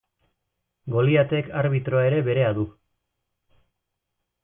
Goliatek arbitroa ere berea du.